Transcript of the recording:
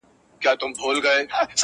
تر نیمي شپې په بازارونو کي لار نه کیږي